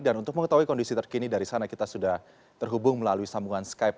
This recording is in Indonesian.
dan untuk mengetahui kondisi terkini dari sana kita sudah terhubung melalui sambungan skype